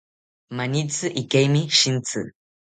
Manitzi ikeimi shintzi